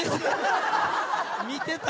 ・見てた？